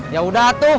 ya udah tuh